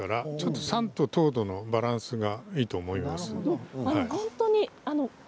酸と糖のバランスがいいと思います。